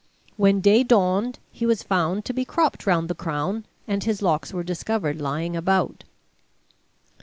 When day dawned he was found to be cropped round the crown, and his locks were discovered lying about.